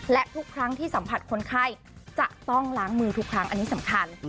และทุกครั้งที่สัมผัสคนไข้จะต้องล้างมือทุกครั้งอันนี้สำคัญ